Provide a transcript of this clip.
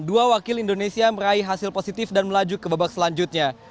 dua wakil indonesia meraih hasil positif dan melaju ke babak selanjutnya